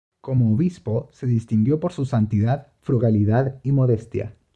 Como obispo, se distinguió por su santidad, frugalidad y modestia.